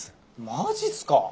マジすか。